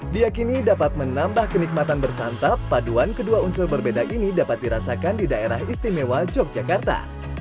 diakini dapat menambah kenikmatan bersantap paduan kedua unsur berbeda ini dapat dirasakan di daerah istimewa yogyakarta